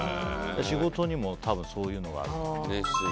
仕事にも多分そういうのがある。